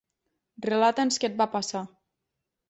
Relata'ns què et va passar.